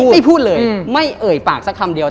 ไม่พูดเลยไม่เอ่ยปากสักคำเดียว